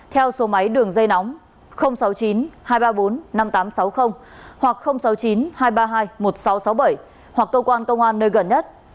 theo số máy đường dây nóng sáu mươi chín hai trăm ba mươi bốn năm nghìn tám trăm sáu mươi hoặc sáu mươi chín hai trăm ba mươi hai một nghìn sáu trăm sáu mươi bảy hoặc cơ quan công an nơi gần nhất